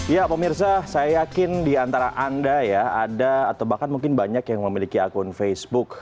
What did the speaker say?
ya pemirsa saya yakin di antara anda ya ada atau bahkan mungkin banyak yang memiliki akun facebook